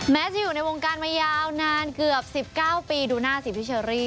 จะอยู่ในวงการมายาวนานเกือบ๑๙ปีดูหน้าสิพี่เชอรี่